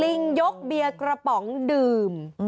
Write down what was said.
ลิงยกเบียร์กระป๋องดื่ม